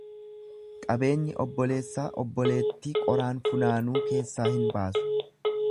Qabeenyi obboleessaa obboleetti qoraan funaanuu keessaa hin baasu.